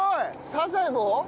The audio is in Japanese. サザエも？